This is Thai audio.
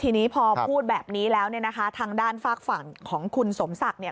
ทีนี้พอพูดแบบนี้แล้วทางด้านฝากฝั่งของคุณสมศักดิ์